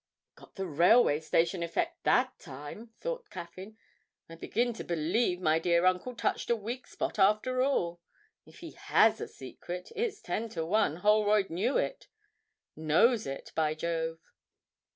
('Got the Railway Station effect that time!' thought Caffyn. 'I begin to believe my dear uncle touched a weak spot after all. If he has a secret, it's ten to one Holroyd knew it knows it, by Jove!')